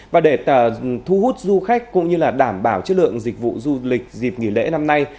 và để thu hút du khách cũng như là đảm bảo chất lượng dịch vụ du lịch dịp nghỉ lễ năm nay